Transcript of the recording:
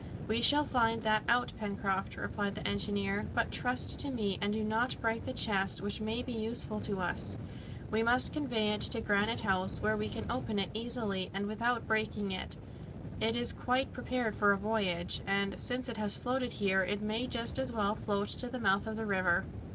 "We shall find that out, Pencroft," replied the engineer; "but trust to me, and do not break the chest, which may be useful to us. We must convey it to Granite House, where we can open it easily and without breaking it. It is quite prepared for a voyage, and, since it has floated here, it may just as well float to the mouth of the river."